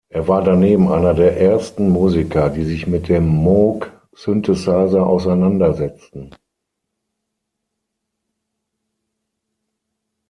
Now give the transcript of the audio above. Er war daneben einer der ersten Musiker, die sich mit dem Moog-Synthesizer auseinandersetzten.